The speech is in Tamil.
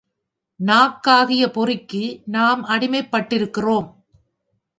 நாக்காகிய பொறிக்கு நாம் அடிமைப்பட்டிருக்கிறோம்.